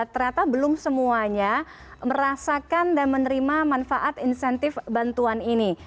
ternyata belum semuanya merasakan dan menerima manfaat insentif bantuan ini